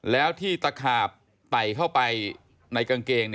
แล้วที่ตะขาบไต่เข้าไปในกางเกง